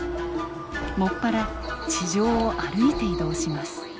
もっぱら地上を歩いて移動します。